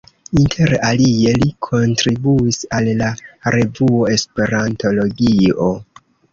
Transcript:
Inter alie li kontribuis al la revuo Esperantologio.